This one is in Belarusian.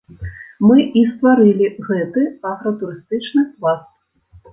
Мы і стварылі гэты агратурыстычны пласт.